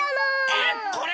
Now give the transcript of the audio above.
えっこれ？